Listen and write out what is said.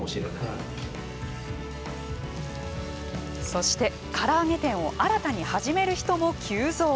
そしてから揚げ店を新たに始める人も急増！